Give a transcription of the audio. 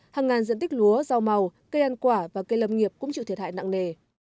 hàng ngàn diện tích lúa rau màu cây ăn quả và cây lâm nghiệp cũng chịu thiệt hại nặng nề